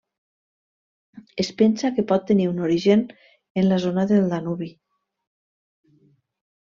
Es pensa que pot tenir un origen en la zona del Danubi.